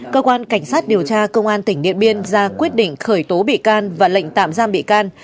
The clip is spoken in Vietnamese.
cơ quan cảnh sát điều tra công an tỉnh điện biên ra quyết định khởi tố bị can và lệnh tạm giam bị can